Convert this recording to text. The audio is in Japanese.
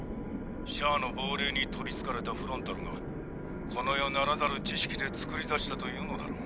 シャアの亡霊に取り憑かれたフロンタルがこの世ならざる知識で造り出したというのだろう。